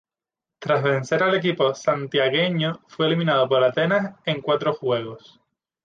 Tras vencer al equipo santiagueño, fue eliminado por Atenas en cuatro juegos.